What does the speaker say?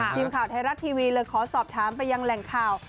ทีมข่าวไทยรัฐทีวีเลยขอสอบถามไปยังแหล่งข่าว